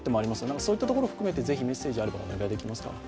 そういったところも含めて、是非メッセージお願いできますか？